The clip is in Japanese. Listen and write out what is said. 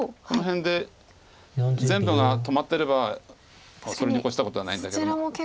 この辺で全部が止まってればそれに越したことはないんだけども。